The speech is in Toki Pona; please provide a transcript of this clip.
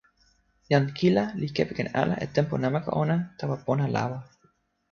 jan Kila li kepeken ala e tenpo namako ona tawa pona lawa.